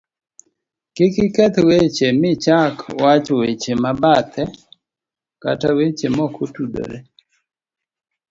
kik iketh weche michak wacho weche mabathe kata weche mokotudore